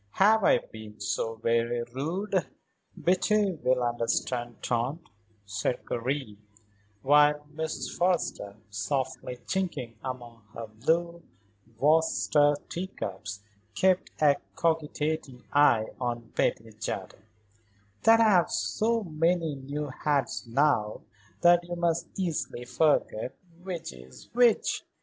Have I been so very rude?" "Betty will understand, Tante," said Karen while Mrs. Forrester, softly chinking among her blue Worcester teacups, kept a cogitating eye on Betty Jardine "that I have so many new hats now that you must easily forget which is which."